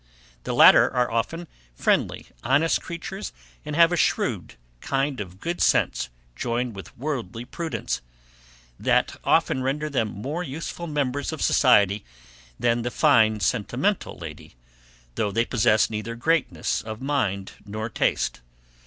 The latter are often friendly, honest creatures, and have a shrewd kind of good sense joined with worldly prudence, that often render them more useful members of society than the fine sentimental lady, though they possess neither greatness of mind nor taste.